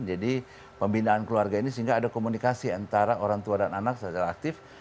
jadi pembinaan keluarga ini sehingga ada komunikasi antara orang tua dan anak secara aktif